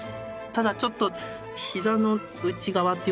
ただちょっと膝の内側っていうんですかね